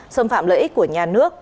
xâm phạm lợi ích của nhà nước